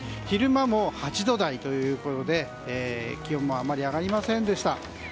昼間も８度台というところで気温もあまり上がりませんでした。